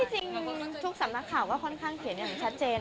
ก็ทุกสำนักข่าวก็เขียนอย่างชัดเจน